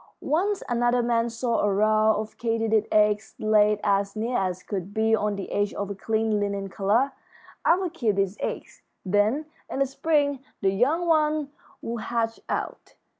Once another man saw a row of katydid eggs laid as neatly as could be on the edge of a clean linen collar. I'll keep these eggs; then, in the spring, the young ones will hatch out.